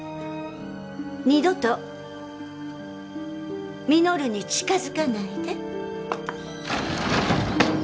二度と稔に近づかないで。